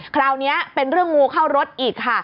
คราวนี้เป็นเรื่องงูเข้ารถอีกค่ะ